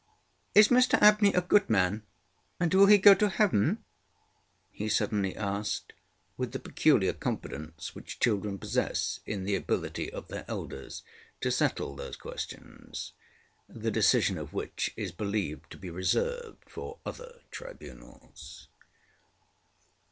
ŌĆ£Is Mr Abney a good man, and will he go to heaven? ŌĆØ he suddenly asked, with the peculiar confidence which children possess in the ability of their elders to settle these questions, the decision of which is believed to be reserved for other tribunals.